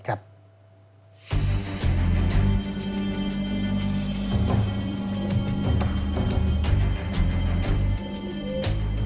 ครั้งต่อไป